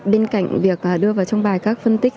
bên cạnh việc đưa vào trong bài các phân tích